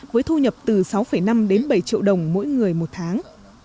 với thu nhập từ sáu năm đến bảy triệu đồng mỗi người một tháng